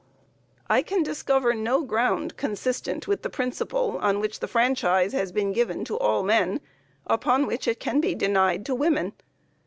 I can discover no ground consistent with the principle on which the franchise has been given to all men, upon which it can be denied to women.